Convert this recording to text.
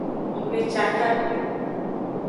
Nggbecakami o.